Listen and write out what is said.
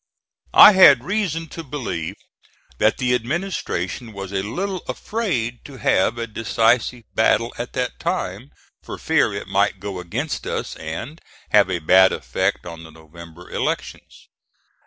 I had reason to believe that the administration was a little afraid to have a decisive battle at that time, for fear it might go against us and have a bad effect on the November elections.